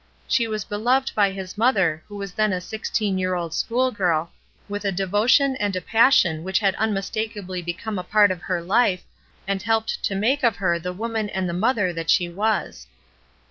She was beloved by his mother, who was then a sixteen year old schoolgu 1, with a devotion and a passion which had un mistakably become a part of her life, and helped to make of her the woman and the mother that she was.